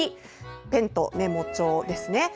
ペンとメモ帳ですね。